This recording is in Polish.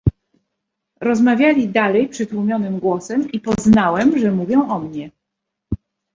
"Rozmawiali dalej przytłumionym głosem i poznałem, że mówią o mnie."